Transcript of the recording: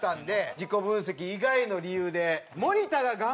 自己分析以外の理由で。